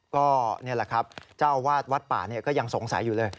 เพราะตรวจนี่แหละครับเจ้าอาวาสวัดป่าสงสัยอยู่เลย